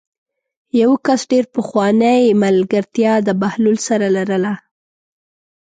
یوه کس ډېره پخوانۍ ملګرتیا د بهلول سره لرله.